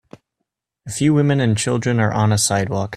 A few women and children are on a sidewalk